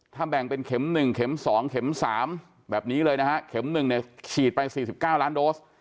ถ้าแบ่งเป็นเข็มหนึ่งเข็มสองเข็มสามแบบนี้เลยนะฮะเข็มหนึ่งเนี่ยฉีดไปสี่สิบเก้าร้านโดส